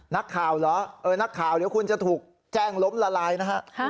นักข่าวเหรอเออนักข่าวเดี๋ยวคุณจะถูกแจ้งล้มละลายนะฮะ